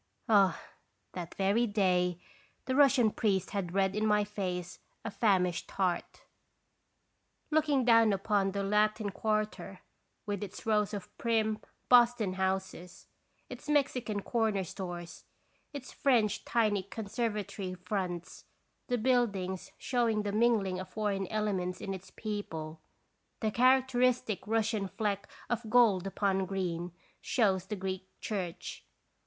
Ah ! that very day the Russian priest had read in my face a famished heart. Looking down upon the Latin Quarter, with its rows of prim Boston houses, its Mexican corner stores, its French tiny conservatory fronts, the buildings showing the mingling of foreign elements in its people, "the character istic Russian fleck of gold upon green" shows the Greek church.